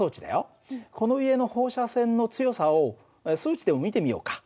この家の放射線の強さを数値でも見てみようか。